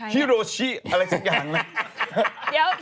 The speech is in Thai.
ฮิโรชิอะไรสักอย่างนะ